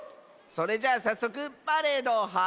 それじゃあさっそくパレードをはじめよう！